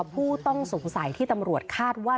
ผู้ต้องสงสัยที่ตำรวจคาดว่า